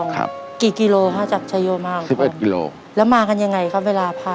ครับกี่กิโลกรัมครับจากชายโยมฮ่าของผมแล้วมากันอย่างไรครับเวลาภาย